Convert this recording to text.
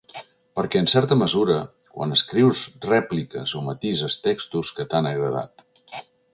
Perquè, en certa mesura, quan escrius repliques o matises textos que t’han agradat.